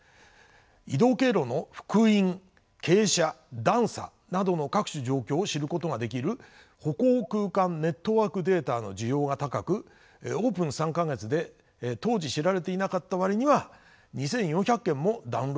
移動経路の幅員傾斜段差などの各種状況を知ることができる歩行空間ネットワークデータの需要が高くオープン３か月で当時知られていなかった割には２，４００件もダウンロードされました。